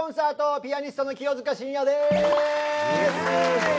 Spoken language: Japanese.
ピアニストの清塚信也です！